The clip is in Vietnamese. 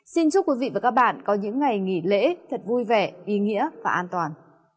xin chúc quý vị và các bạn có những ngày nghỉ lễ thật vui vẻ ý nghĩa và an toàn